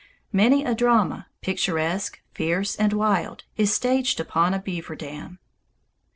Many a drama, picturesque, fierce, and wild, is staged upon a beaver dam.